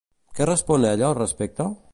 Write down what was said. Què respon ella al respecte?